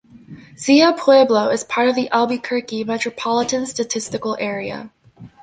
Zia Pueblo is part of the Albuquerque Metropolitan Statistical Area.